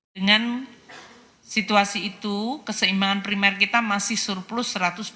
dengan situasi itu keseimbangan primer kita masih surplus satu ratus dua puluh